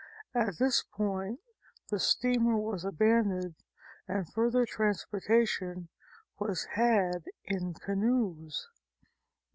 At this point the steamer was abandoned and further transportation was had in canoes.